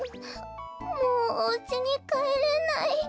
もうおうちにかえれない。